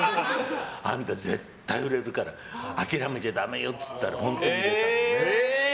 あんた、絶対売れるから諦めちゃダメよ！って言ったら本当に売れたんだよね。